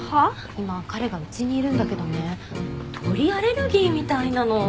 今彼がうちにいるんだけどね鳥アレルギーみたいなの。